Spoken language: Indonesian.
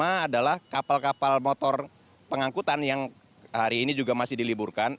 yang pertama adalah kapal kapal motor pengangkutan yang hari ini juga masih diliburkan